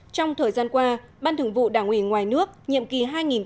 trong thời gian qua ban thường vụ đảng ủy ngoài nước nhiệm kỳ hai nghìn hai mươi hai nghìn hai mươi năm